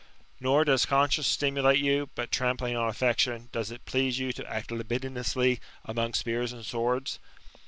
Nor does conscience stimulate you; but, trampling on affection, does it please you to act libidinously among spears and swords?